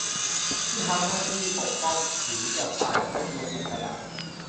ที่ทำหน้าที่ปกป้องผิวจากสารอนุมูลอิสระ